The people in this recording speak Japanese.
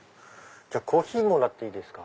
コーヒーもらっていいですか？